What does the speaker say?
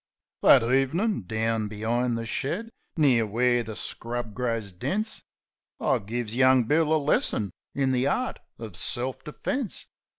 That ev'nin', down be'ind the shed, near where the scrub grows dense, I gives young Bill a lesson in the art uv self defence.